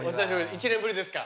１年ぶりですか？